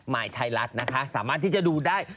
ยไทยรัฐนะคะสามารถที่จะดูได้